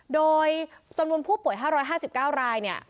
โดยจำนวนผู้ป่วย๕๕๙รายเนี่ย